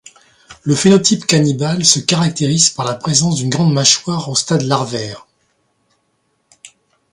Le phénotype cannibale se caractérise par la présence d’une grande mâchoire au stade larvaire.